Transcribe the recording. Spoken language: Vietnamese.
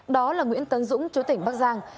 đó là nguyễn tấn dũng chứa tỉnh bắc giang